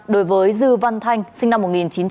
đối với dư văn thanh sinh năm một nghìn chín trăm tám mươi